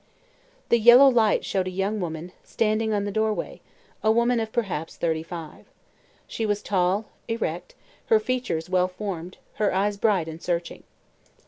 The yellow light showed a young woman standing in the doorway, a woman of perhaps thirty five. She was tall, erect, her features well formed, her eyes bright and searching.